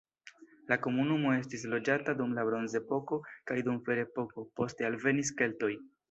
La komunumo estis loĝata dum la bronzepoko kaj dum ferepoko, poste alvenis keltoj.